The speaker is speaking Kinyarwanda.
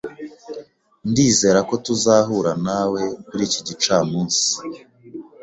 Ndizera ko tuzahura nawe kuri iki gicamunsi.